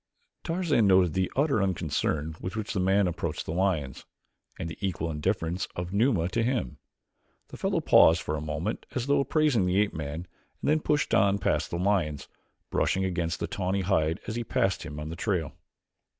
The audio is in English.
Tarzan noted the utter unconcern with which the man approached the lions, and the equal indifference of Numa to him. The fellow paused for a moment as though appraising the ape man and then pushed on past the lions, brushing against the tawny hide as he passed him in the trail.